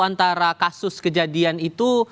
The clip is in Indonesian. antara kasus kejadian itu